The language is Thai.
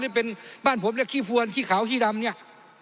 หรือเป็นบ้านผมเรียกขี้พวนขี้ขาวขี้ดำเนี่ย